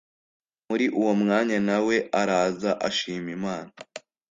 muri uwo mwanya na we araza ashima imana